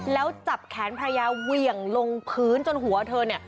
แล้วจับแขนภรรยาเหวี่ยงลงพื้นจนหัวเธอเนี่ย